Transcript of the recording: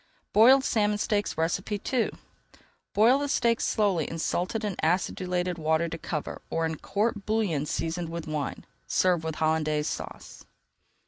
BOILED SALMON STEAKS II Boil the steaks slowly in salted and acidulated water to cover or in court bouillon seasoned with wine. Serve with Hollandaise Sauce.